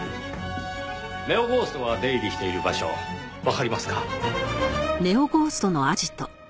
ネオゴーストが出入りしている場所わかりますか？